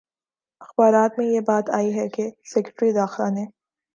اخبارات میں یہ بات آئی ہے کہ سیکرٹری داخلہ نے